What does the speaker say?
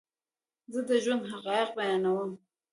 زه دژوند حقایق بیانوم